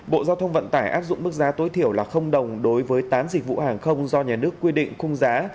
bộ giao thông vận tải áp dụng mức giá tối thiểu là đồng đối với tám dịch vụ hàng không do nhà nước quy định khung giá